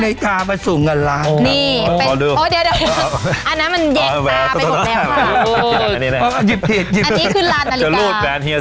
นี่คือร้านนาฬิกา